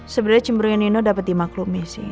sebenernya cemburu yang nino dapet dimaklumi sih